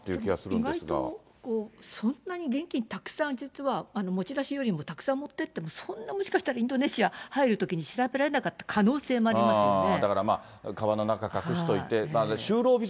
意外と、現金たくさん、実は持ち出しよりもたくさん持ってっても、もしかしたらインドネシアに入るときに、調べられなかった可能性もありますよね。